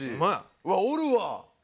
うわっおるわ！